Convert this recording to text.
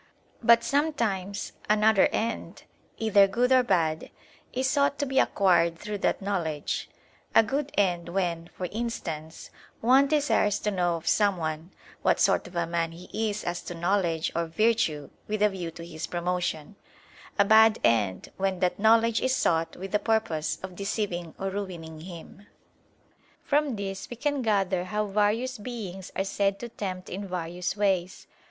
But sometimes another end, either good or bad, is sought to be acquired through that knowledge; a good end, when, for instance, one desires to know of someone, what sort of a man he is as to knowledge, or virtue, with a view to his promotion; a bad end, when that knowledge is sought with the purpose of deceiving or ruining him. From this we can gather how various beings are said to tempt in various ways.